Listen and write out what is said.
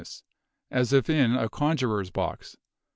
ness, as if in a conjurer's box.